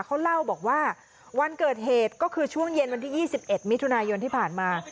เขาเล่าบอกว่าวันเกิดเหตุก็คือช่วงเย็นวันที่๒๑มิถุนายนที่ผ่านมา